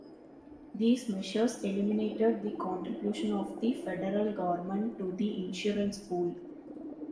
These measures eliminated the contribution of the federal government to the insurance pool.